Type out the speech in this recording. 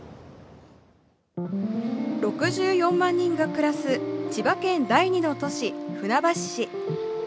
６４万人が暮らす千葉県第２の都市、船橋市。